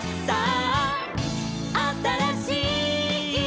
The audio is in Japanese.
「さああたらしい」